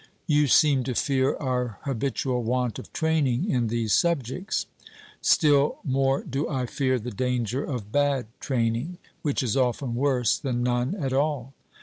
'You seem to fear our habitual want of training in these subjects.' Still more do I fear the danger of bad training, which is often worse than none at all.